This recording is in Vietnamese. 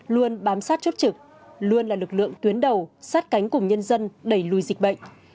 luôn bám sát chốt trực luôn là lực lượng tuyến đầu sát cánh cùng nhân dân đẩy lùi dịch bệnh